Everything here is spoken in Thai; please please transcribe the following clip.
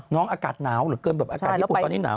อากาศหนาวเหลือเกินแบบอากาศญี่ปุ่นตอนนี้หนาว